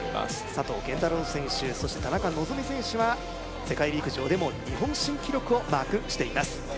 佐藤拳太郎選手そして田中希実選手は世界陸上でも日本新記録をマークしています